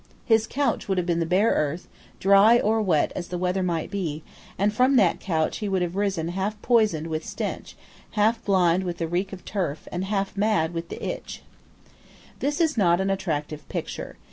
His couch would have been the bare earth, dry or wet as the weather might be; and from that couch he would have risen half poisoned with stench, half blind with the reek of turf, and half mad with the itch, This is not an attractive picture.